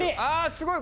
すごい！